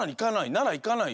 ならいかないよ。